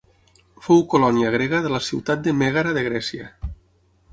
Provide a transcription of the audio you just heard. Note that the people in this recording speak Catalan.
Fou colònia grega de la ciutat de Mègara de Grècia.